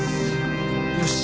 よし。